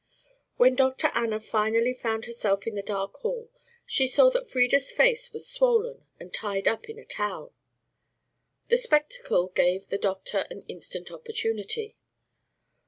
When Dr. Anna finally found herself in the dark hall she saw that Frieda's face was swollen and tied up in a towel. The spectacle gave the doctor an instant opportunity.